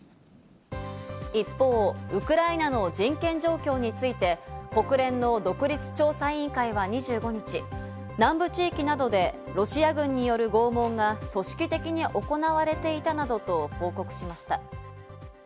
一方、ウクライナの人権状況について、国連の独立調査委員会は２５日、南部地域などで、ロシア軍による拷問が組織的に行われていたなどと報告しました。